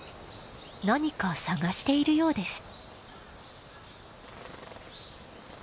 何か探しているようです。